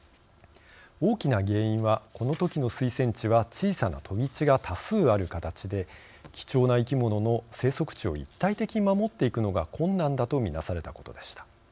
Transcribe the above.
大きな原因はこのときの推薦地は小さな飛び地が多数ある形で貴重な生き物の生息地を一体的に守っていくのが困難だと見なされたことでした。